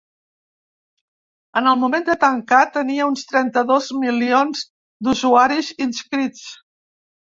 En el moment de tancar, tenia uns trenta-dos milions d’usuaris inscrits.